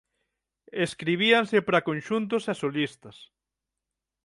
Escribíanse para conxuntos e solistas.